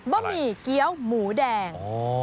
บะหมี่เกี้ยวหมูแดง